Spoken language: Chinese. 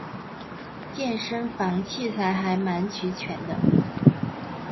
健身房器材还蛮齐全的